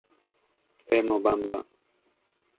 Emmo, bamba.